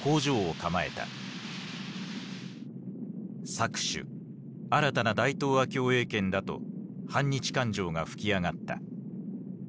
搾取新たな大東亜共栄圏だと反日感情が噴き上がった。